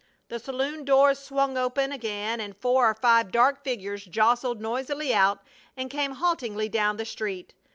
The saloon doors swung again and four or five dark figures jostled noisily out and came haltingly down the street.